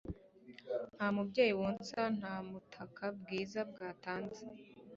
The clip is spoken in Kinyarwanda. nta mubyeyi wonsa, nta butaka bwiza bwatanze